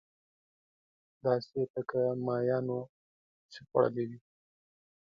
داسې لکه ماهيانو چې خوړلې وي.